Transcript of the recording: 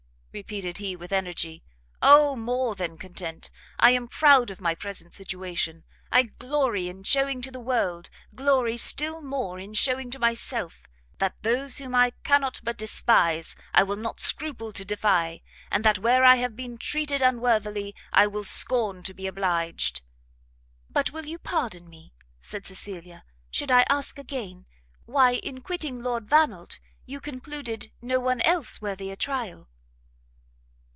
repeated he with energy, "O more than content, I am proud of my present situation! I glory in chewing to the world, glory still more in shewing to myself, that those whom I cannot but despise I will not scruple to defy, and that where I have been treated unworthily, I will scorn to be obliged." "But will you pardon me," said Cecilia, "should I ask again, why in quitting Lord Vannelt, you concluded no one else worthy a trial?"